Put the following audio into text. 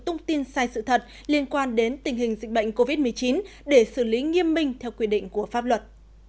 thông tin sai sự thật liên quan đến tình hình dịch bệnh covid một mươi chín để xử lý nghiêm minh theo quy định của pháp luật